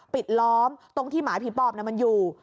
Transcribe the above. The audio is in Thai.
ปิดล้อมตรงที่หมาผีปอบมันอยู่